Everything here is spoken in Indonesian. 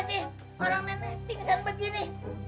aduh gimana sih orang nenek pingsan begini